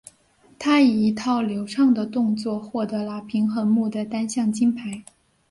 她以一套流畅的动作获得了平衡木的单项金牌。